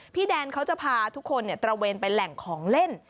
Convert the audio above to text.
แดนเขาจะพาทุกคนตระเวนไปแหล่งของเล่น